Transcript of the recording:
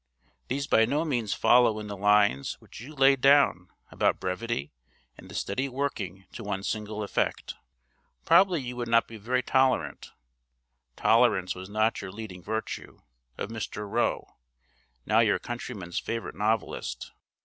These by no means follow in the lines which you laid down about brevity and the steady working to one single effect. Probably you would not be very tolerant (tolerance was not your leading virtue) of Mr. Roe, now your countrymen's favourite novelist.